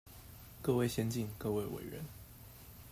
各位先進、各位委員